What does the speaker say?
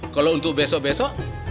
kalau untuk besok besok